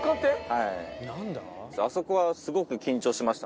あそこはすごく緊張しました。